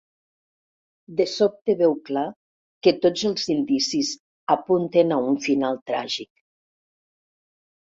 De sobte veu clar que tots els indicis apunten a un final tràgic.